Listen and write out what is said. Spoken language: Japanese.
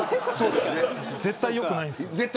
絶対に良くないです。